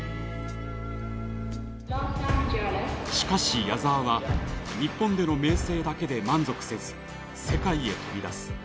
しかし矢沢は日本での名声だけで満足せず世界へ飛び出す。